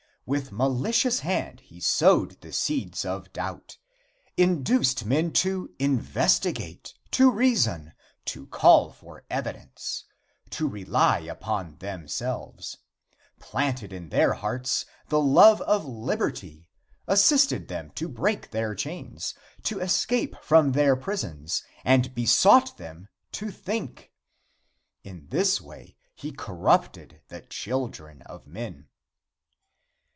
With malicious hand he sowed the seeds of doubt induced men to investigate, to reason, to call for evidence, to rely upon themselves; planted in their hearts the love of liberty, assisted them to break their chains, to escape from their prisons and besought them to think. In this way he corrupted the children of men.